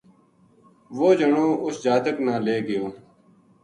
وہ جنو اس جاتک نا لے گیو